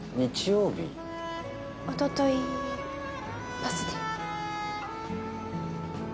おとといバスで。